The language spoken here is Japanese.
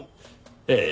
ええ。